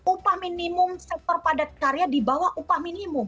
upah minimum sektor padat karya dibawah upah minimum